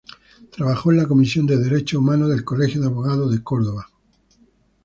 Trabajo en la Comisión de Derechos Humanos del Colegio de Abogados de Córdoba.